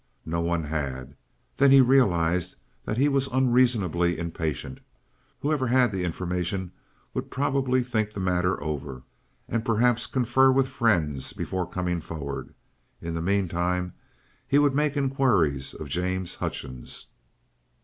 No one had. Then he realized that he was unreasonably impatient. Whoever had the information would probably think the matter over, and perhaps confer with friends before coming forward. In the meantime, he would make inquiries of James Hutchings.